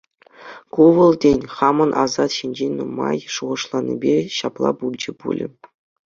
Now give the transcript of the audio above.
Ку вӑл, тен, хамӑн асат ҫинчен нумай шухӑшланипе ҫапла пулчӗ пулӗ.